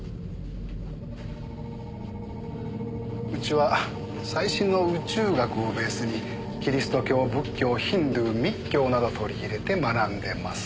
うちは最新の宇宙学をベースにキリスト教仏教ヒンドゥー密教など取り入れて学んでます。